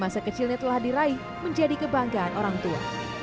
masa kecilnya telah diraih menjadi kebanggaan orang tua